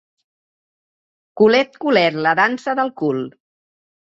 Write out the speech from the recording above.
Culet culet, la dansa del cul!